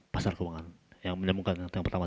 pasar keuangan yang menemukan yang pertama